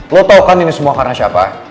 lo tau kan ini semua karena siapa